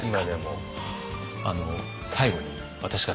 最後に私から提案。